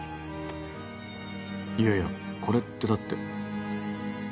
いやいやこれってだって。